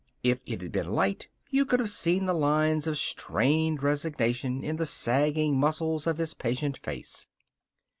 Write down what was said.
If it had been light, you could have seen the lines of strained resignation in the sagging muscles of his patient face.